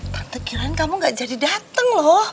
tante kirain kamu gak jadi dateng loh